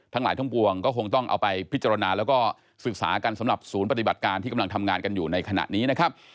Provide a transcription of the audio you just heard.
หลายทั้งปวงก็คงต้องเอาไปพิจารณาแล้วก็ศึกษากันสำหรับศูนย์ปฏิบัติการที่กำลังทำงานกันอยู่ในขณะนี้นะครับ